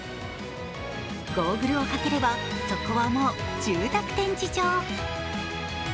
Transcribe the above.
ゴーグルをかければ、そこはもう住宅展示場。